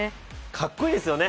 かっこいいですよね